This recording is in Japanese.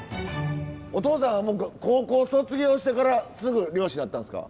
お父さんは高校卒業してからすぐ漁師になったんですか？